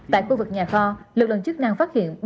tại khu vực nhà kho lực lượng chức năng phát hiện